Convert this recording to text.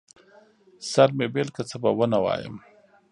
سر مې بېل که، څه به ونه وايم.